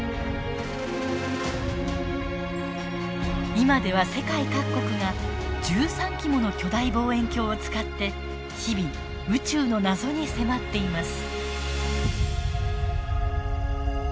今では世界各国が１３基もの巨大望遠鏡を使って日々宇宙の謎に迫っています。